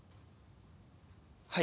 はい。